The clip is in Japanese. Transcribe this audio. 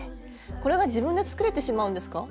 これが自分で作れてしまうんですか？